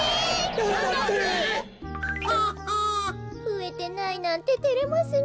ふえてないなんててれますねえ。